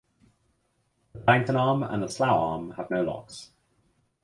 The Paddington Arm and the Slough Arm have no locks.